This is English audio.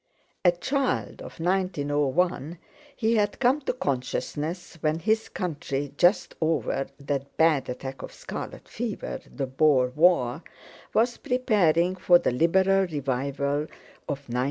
A child of 1901, he had come to consciousness when his country, just over that bad attack of scarlet fever, the Boer War, was preparing for the Liberal revival of 1906.